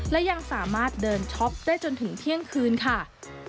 และยังสามารถเดินช็อปได้จนถึงเที่ยงคืนค่ะ